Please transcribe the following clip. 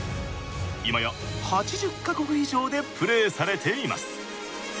今や８０か国以上でプレーされています。